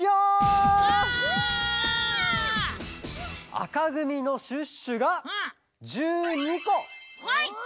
あかぐみのシュッシュがはい！